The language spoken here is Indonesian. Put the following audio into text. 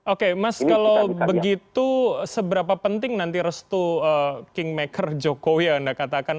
oke mas kalau begitu seberapa penting nanti restu kingmaker jokowi yang anda katakan